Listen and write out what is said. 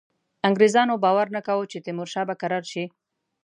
انګرېزانو باور نه کاوه چې تیمورشاه به کرار شي.